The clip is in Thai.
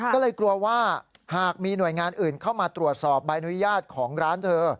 ก็เลยกลัวว่าหากมีหน่วยงานอื่นเข้ามาตรวจสอบใบอนุญาตของร้านเธอ